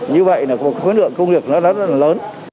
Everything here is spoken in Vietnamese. như vậy là một khối lượng công việc rất là lớn